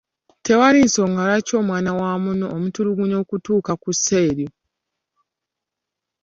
Tewali nsonga lwaki omwana wa munno omutulugunya okutuuka ku ssa eryo.